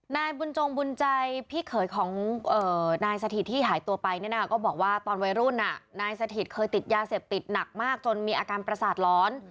นายบุญจงบุญใจพี่เขยของนายสถิตที่หายตัวไปเนี่ยนะก็บอกว่าตอนวัยรุ่นนายสถิตเคยติดยาเสพติดหนักมากจนมีอาการประสาทร้อน